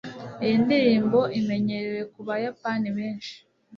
iyi ndirimbo imenyerewe nabayapani benshi